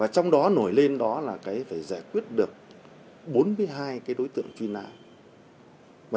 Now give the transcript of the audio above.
trong đó nổi lên là phải giải quyết được bốn mươi hai đối tượng chuyên án